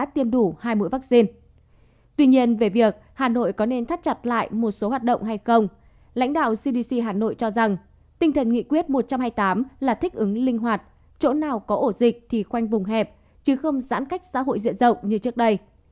tuy nhiên về việc hà nội có nên thắt chặt lại một số hoạt động hay không lãnh đạo cdc hà nội cho rằng tinh thần nghị quyết một trăm hai mươi tám là thích ứng linh hoạt chỗ nào có ổ dịch thì khoanh vùng hẹp chứ không giãn cách xã hội diện rộng như trước đây